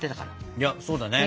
いやそうだね。